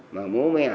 mà bố mẹ ở nhà